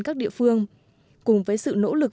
các địa phương cùng với sự nỗ lực